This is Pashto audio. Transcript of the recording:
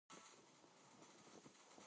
غوسه د ستونزو حل نه دی.